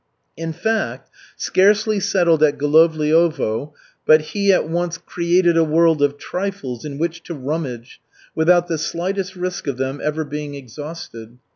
In fact, scarcely settled at Golovliovo but he at once created a world of trifles in which to rummage without the slightest risk of them ever being exhausted.